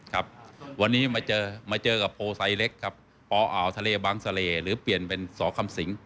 ครับวันนี้มาเจอมาเจอกับโพลไซเล็กครับปอ่าวทะเลบังเสล่หรือเปลี่ยนเป็นสคำสิง